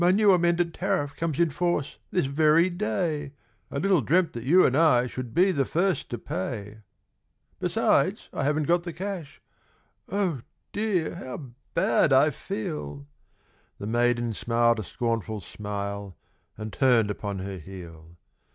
"My new amended Tariff comes in force this very day, I little dreamt that you and I should be the first to pay; Besides, I haven't got the cash! oh dear, how bad I feel!" The maiden smiled a scornful smile and turned upon her heel.